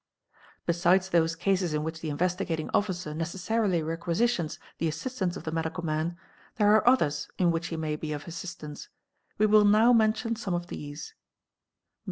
Besides those cases in which the Investigating Officer necessarily requisitions the assistance of the medical man, there are others in which he may be of assistance. We will now mention some of these.